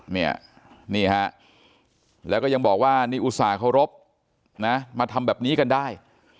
เนี่ยนี่ฮะแล้วก็ยังบอกว่านี่อุตส่าห์เคารพนะมาทำแบบนี้กันได้